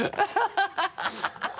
ハハハ